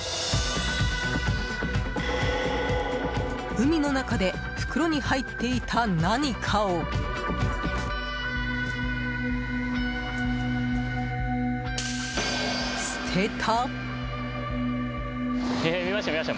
海の中で袋に入っていた何かを捨てた？